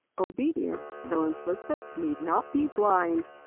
Obedience, though Implicit, need not be Blind.